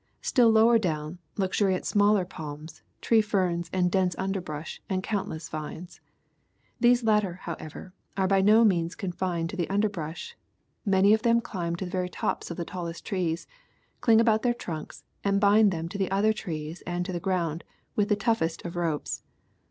Still lower down, luxuriate smaller palms, tree ferns, and dense underbrush, and countless vines. These latter, however, are by no means confined to the underbrush, many of them climb to the very tops of the tallest trees, cling about their trunks and bind them to other trees and to the ground with the toughest of ropes.